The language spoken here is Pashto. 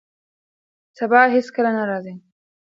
سبا هیڅکله نه راځي.